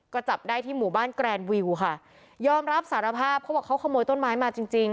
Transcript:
ก็จับได้ที่หมู่บ้านแกรนวิวค่ะยอมรับสารภาพเขาบอกเขาขโมยต้นไม้มาจริงจริง